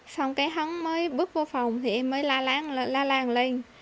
xong cái hắn mới bước vô phòng thì em mới la làng lên